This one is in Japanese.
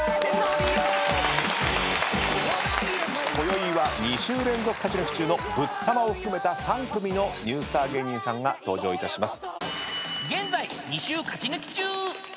こよいは２週連続勝ち抜き中のぶったまを含めた３組のニュースター芸人さんが登場します。